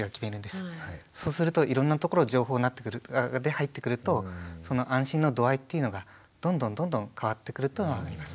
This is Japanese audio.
そうするといろんなところ情報で入ってくるとその安心の度合いっていうのがどんどんどんどん変わってくるっていうのがあります。